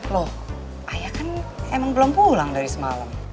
loh ayah kan emang belum pulang dari semalam